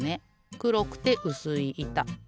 くろくてうすいいた。